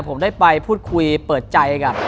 ผมได้ไปพูดคุยเปิดใจกับ